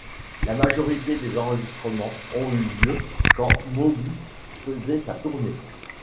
La majorité des enregistrements ont eu lieu quand Moby faisait sa tournée.